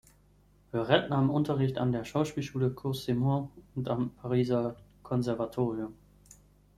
Villeret nahm Unterricht an der Schauspielschule "Cours Simon" und am Pariser Konservatorium.